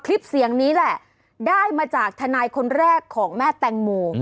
คลิปเสียงนี้แหละได้มาจากทนายคนแรกของแม่แตงโม